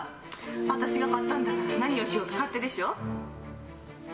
私が買ったんだから何をしようと勝手でしょ？